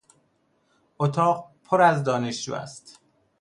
اتاق پر از دانشجو است.